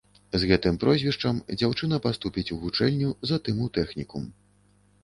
З гэтым прозвішчам дзяўчына паступіць у вучэльню, затым у тэхнікум.